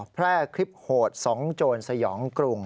แพร่คลิปโหด๒โจรสยองกรุง